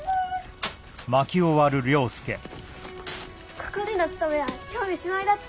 ここでの務めは今日でしまいだって。